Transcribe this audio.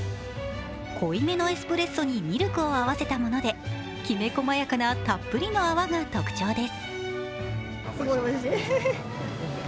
濃いめのエスプレッソにミルクを合わせたもので、きめこまやかなたっぷりの泡が特徴です。